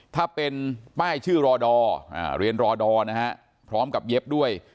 ถ้าเป็นป้ายชื่อรอดอร์เรียนรอดอร์นะฮะพร้อมกับเย็บด้วย